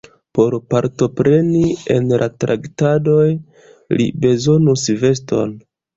Por partopreni en la traktadoj, li bezonus veston.